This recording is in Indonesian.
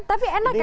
tapi enak kan